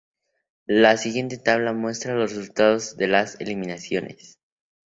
La siguiente tabla muestra los resultados de las eliminaciones.